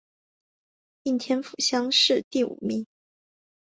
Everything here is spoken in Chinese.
应天府乡试第五名。